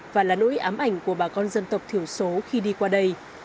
và là nỗi ám ảnh của bà con dân tộc thiểu số khi đi qua đây